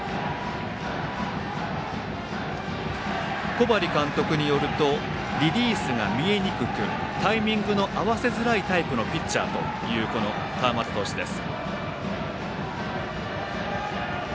小針監督によるとリリースが見えにくくタイミングの合わせづらいピッチャーというタイプのこの川又投手です。